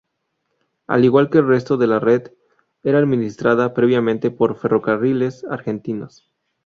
Al igual que el resto de la red, era administrada previamente por Ferrocarriles Argentinos.